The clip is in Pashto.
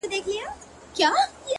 د عمل دوام شخصیت ته شکل ورکوي